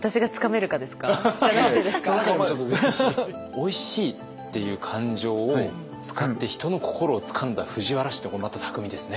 おいしいっていう感情を使って人の心をつかんだ藤原氏ってまた巧みですね。